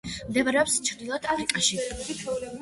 მდებარეობს ჩრდილოეთ აფრიკაში.